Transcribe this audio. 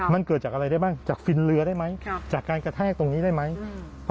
มันเกิดจากอะไรได้บ้างจากฟินเรือได้ไหมจากการกระแทกตรงนี้ได้ไหมอืม